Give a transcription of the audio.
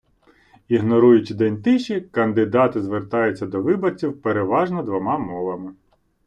Ігноруючи день тиші, кандидати звертаються до виборців переважно двома мовами.